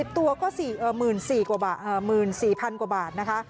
ตัวก็๑๔๐๐๐กว่าบาทนะคะ